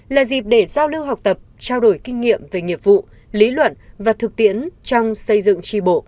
là dịp để giao lưu học tập trao đổi kinh nghiệm về nghiệp vụ lý luận và thực tiễn trong xây dựng tri bộ